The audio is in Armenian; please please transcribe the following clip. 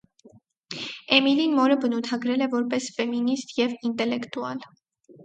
Էմիլին մորը բնութագրել է որպես «ֆեմինիստ և ինտելեկտուալ»։